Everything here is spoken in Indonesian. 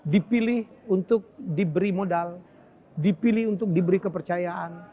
dipilih untuk diberi modal dipilih untuk diberi kepercayaan